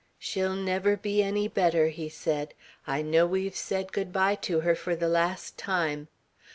"She'll never be any better," he said. "I know we've said good bye to her for the last time."